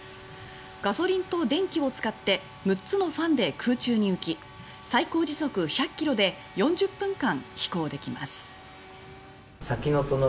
ガソリンと電気を使って６つのファンで空中に浮き最高時速１００ｋｍで４０分間飛行できます。